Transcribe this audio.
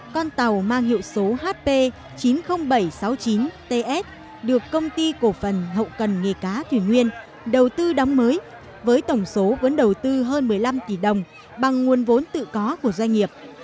con tàu mang hiệu số hp chín mươi nghìn bảy trăm sáu mươi chín ts được công ty cổ phần hậu cần nghề cá thủy nguyên đầu tư đóng mới với tổng số vốn đầu tư hơn một mươi năm tỷ đồng bằng nguồn vốn tự có của doanh nghiệp